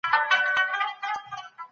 په بازار کې اضافي تقاضا پيدا کړئ.